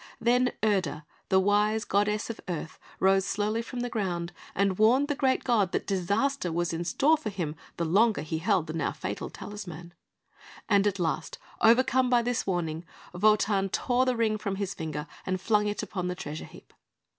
Then Erda, the wise goddess of Earth, rose slowly from the ground, and warned the great god that disaster was in store for him the longer he held the now fatal talisman; and at last, overcome by this warning, Wotan tore the Ring from his finger, and flung it upon the treasure heap.